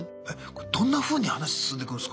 どんなふうに話進んでいくんすか？